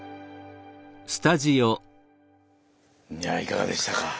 いやぁいかがでしたか。